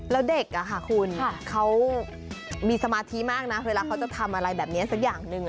แล้วเด็กคุณเขามีสมาธิมากนะเวลาเขาจะทำอะไรแบบนี้สักอย่างหนึ่ง